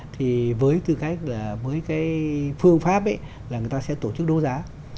thì với tư cách là với cái phương pháp ấy là người ta sẽ tổ chức đấu giá